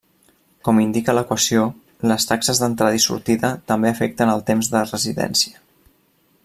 Com indica l'equació, les taxes d'entrada i sortida també afecten el temps de residència.